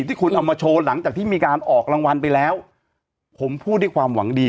ที่คุณเอามาโชว์หลังจากที่มีการออกรางวัลไปแล้วผมพูดด้วยความหวังดี